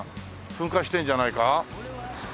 噴火してるんじゃないか？